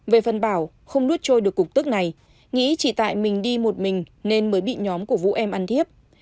về phần bảo không nuốt trôi được cục tức này nghĩ chỉ tại mình đi một mình nên mới bị nhóm của vũ em ăn thiếp